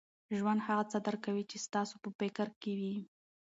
ژوند هغه څه درکوي، چي ستاسو په فکر کي وي.